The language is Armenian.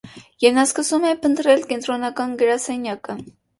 Եվ նա սկսում է փնտրել կենտրոնական գրասենյակը։